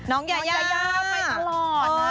น้องยายาน้องยายาไปตลอดนะ